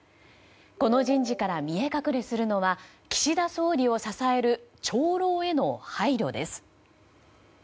この人事から見え隠れするのは岸田総理を支える長老への配慮です。